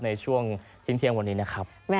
ในช่วงเที่ยงวันนี้นะครับ